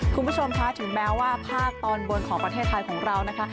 คุณผู้ชมคะถึงแม้ว่าภาคตอนบนของประเทศไทยของเรานะคะ